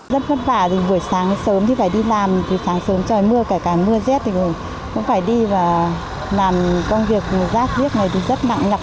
rất vất vả buổi sáng sớm thì phải đi làm buổi sáng sớm trời mưa cả mưa rét thì cũng phải đi và làm công việc rác riết này thì rất nặng lọc